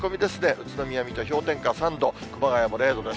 宇都宮、水戸、氷点下３度、熊谷も０度です。